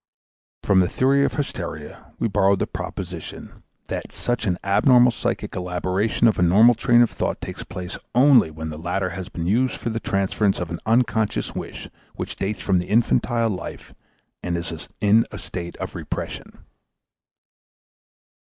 From the theory of hysteria we borrow the proposition that _such an abnormal psychic elaboration of a normal train of thought takes place only when the latter has been used for the transference of an unconscious wish which dates from the infantile life and is in a state of repression_.